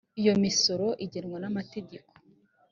iyo misoro igenwa n amategeko